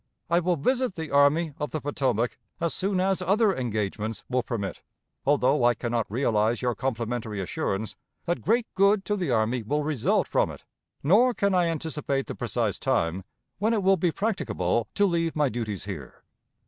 "I will visit the Army of the Potomac as soon as other engagements will permit, although I can not realize your complimentary assurance that great good to the army will result from it; nor can I anticipate the precise time when it will be practicable to leave my duties here.